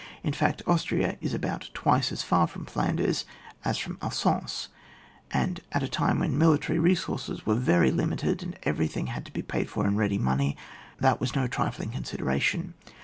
In fact, Austria is about twice as far £rom Flanders as from Alsace ; and at a time when military re sources were very limited, and every tJiing had to be paid for in ready money, that was no trifling consideration.